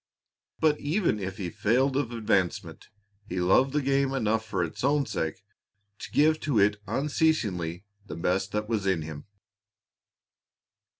But even if he failed of advancement, he loved the game enough for its own sake to give to it unceasingly the best that was in him.